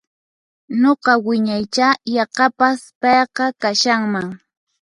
Nuqa wiñaicha yaqapas payqa kashanman